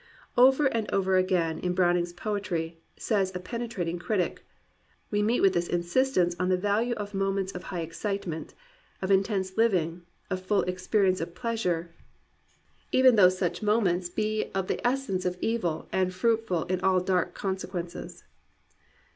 "Over and over again in Brown ing's fK)etry," says a penetrating critic, "we meet with this insistence on the value of moments of high excitement, of intense living, of full experience of pleasure, even though such moments be of the 283 COMPANIONABLE BOOKS essence of evil and fruitful in all dark consequences."